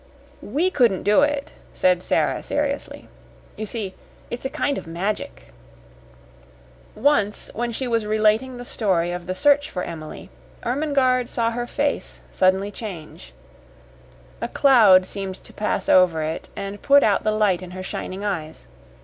"WE couldn't do it," said Sara, seriously. "You see, it's a kind of magic." Once, when she was relating the story of the search for Emily, Ermengarde saw her face suddenly change. A cloud seemed to pass over it and put out the light in her shining eyes.